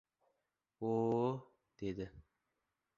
— Uh-u-u! — dedi.